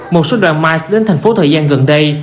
một số đoàn mice đến tp hcm gần đây